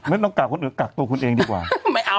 ไม่ต้องกักคนอื่นกักตัวคุณเองดีกว่าไม่เอา